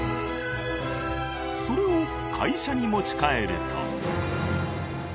それを会社に持ち帰ると。